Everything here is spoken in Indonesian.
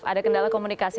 ada kendala komunikasi